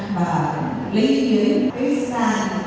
mà lấy ý kiến cái ý kiến là từ biển thi chúng tôi